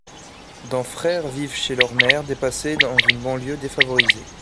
Dans frères vivent chez leur mère dépassée dans une banlieue défavorisée.